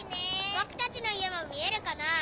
僕たちの家も見えるかな？